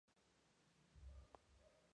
Robert Hales dirigió el vídeo musical.